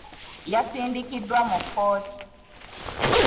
Yasindikiddwa mu kkooti.